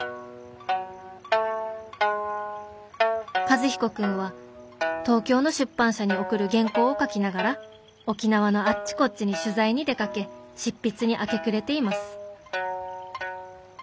「和彦君は東京の出版社に送る原稿を書きながら沖縄のあっちこっちに取材に出かけ執筆に明け暮れています」。